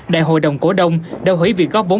đại hội đồng cổ đông đã hủy việc góp vốn